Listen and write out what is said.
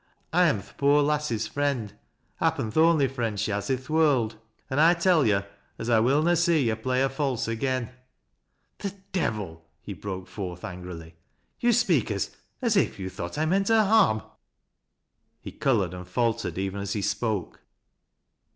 I am th' poor lass's friend, — ^happen th' only friend she has i' th' world, — an' I tell yo' as I will na see yo' play her false again." " The devil !" he broke forth, angrily. " You speak as — as if you thought I meant her harm." He colored and faltered, even as he spoke.